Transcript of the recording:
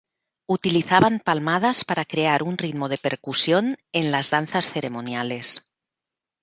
Utilizaban palmadas para crear un ritmo de percusión en las danzas ceremoniales.